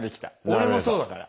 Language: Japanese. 俺もそうだから。